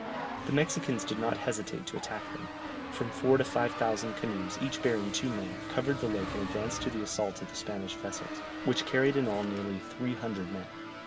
The Mexicans did not hesitate to attack them; from four to five thousand canoes, each bearing two men, covered the lake and advanced to the assault of the Spanish vessels, which carried in all nearly three hundred men.